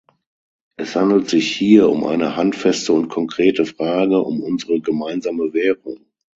Es handelt sich hier um eine handfeste und konkrete Frage, um unsere gemeinsame Währung.